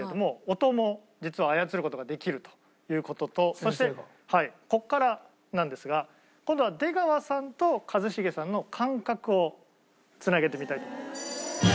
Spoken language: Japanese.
音も実は操る事ができるという事とそしてここからなんですが今度は出川さんと一茂さんの感覚をつなげてみたいと。